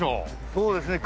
そうですね。